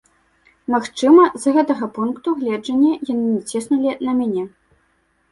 Магчыма, з гэтага пункту гледжання яны не ціснулі на мяне.